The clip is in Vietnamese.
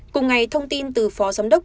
cùng ngày thông tin từ phó giám đốc